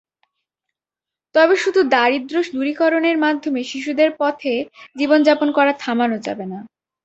তবে শুধু দারিদ্র্য দূরীকরণের মাধ্যমে শিশুদের পথে জীবন যাপন করা থামানো যাবে না।